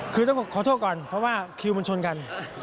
คือต้องขอโทษก่อนเพราะว่าคิวมันชนกัน